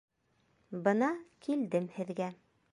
Бына килдем һеҙгә.